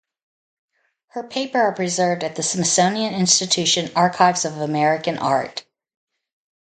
Her paper are preserved at the Smithsonian Institution Archives of American Art.